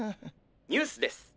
「ニュースです。